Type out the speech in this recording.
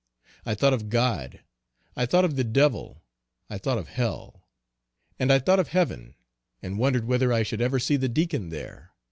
I thought of God, I thought of the devil, I thought of hell; and I thought of heaven, and wondered whether I should ever see the Deacon there.